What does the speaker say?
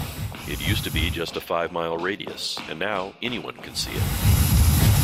It used to be just a five-mile radius, and now anyone can see it.